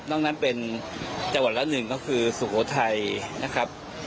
นอกนั้นเป็นจังหวัดละ๑ก็คือสุโขทัยนะครับ